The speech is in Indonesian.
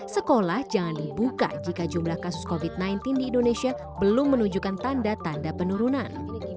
sekolah jangan dibuka jika jumlah kasus covid sembilan belas di indonesia belum menunjukkan tanda tanda penurunan